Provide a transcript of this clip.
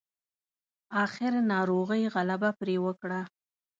اخير ناروغۍ غلبه پرې وکړه.